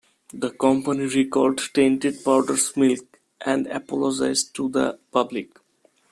The company recalled tainted powdered milks and apologised to the public.